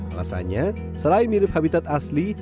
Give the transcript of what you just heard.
alasannya selain mirip habitat asli